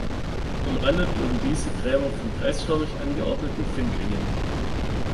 Umrandet wurden diese Gräber von kreisförmig angeordneten Findlingen.